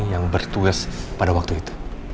yang bertugas pada waktu itu